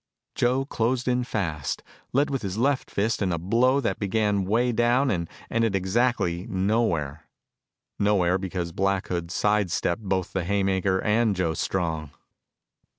Joe closed in fast, led with his left fist in a blow that began way down and ended exactly nowhere nowhere, because Black Hood side stepped both the haymaker and Joe Strong.